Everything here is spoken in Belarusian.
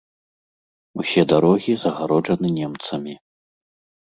Усе дарогі загароджаны немцамі.